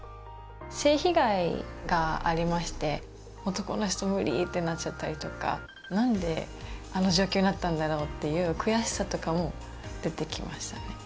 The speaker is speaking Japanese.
性被害がありまして男の人無理ってなっちゃったりとかなんであの状況になったんだろうっていう悔しさとかも出てきましたね。